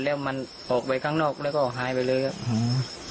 แล้วมันออกไปข้างนอกแล้วก็หายไปเลยครับอืม